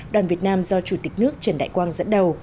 đoàn việt nam do chủ tịch nước trần đại quang dẫn đầu